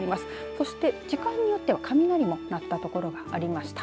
そして、時間によっては雷もなった所がありました。